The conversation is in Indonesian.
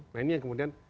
nah ini yang kemudian